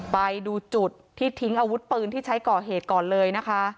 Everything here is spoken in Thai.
ไปดูจุดที่ทิ้งอาวุธปืนที่ใช้ก่อเหตุก่อนเลยนะคะ